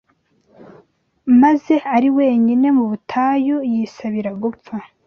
maze ari wenyine mu butayu yisabira gupfa